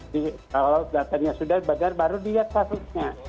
kalau datanya sudah badar baru dilihat kasusnya